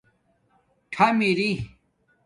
ٹھم اِری